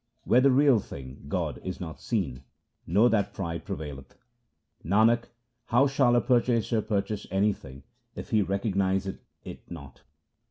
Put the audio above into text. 1 Where the real thing, God, is not seen, know that pride prevaileth : Nanak, how shall a purchaser purchase anything if he recognize it not